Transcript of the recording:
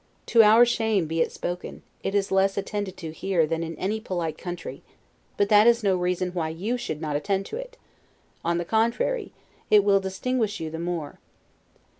To our shame be it spoken, it is less attended to here than in any polite country; but that is no reason why you should not attend to it; on the contrary, it will distinguish you the more.